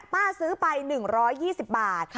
ซื้อไป๑๒๐บาท